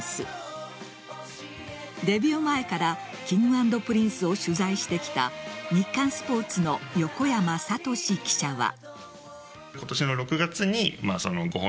デビュー前からＫｉｎｇ＆Ｐｒｉｎｃｅを取材してきた日刊スポーツの横山慧記者は。